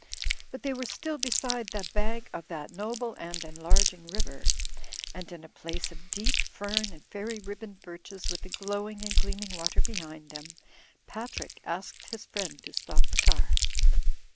But they were still beside the bank of that noble and enlarging river; and in a place of deep fern and fairy ribboned birches with the glowing and gleaming water behind them, Patrick asked his friend to stop the car.